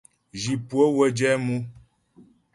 Zhi pʉə́ə wə́ jɛ mʉ.